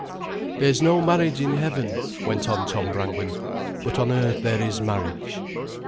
"There's no marriage in heaven," went on Tom Brangwen; "but on earth there is marriage."